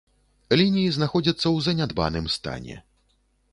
Лініі знаходзяцца ў занядбаным стане.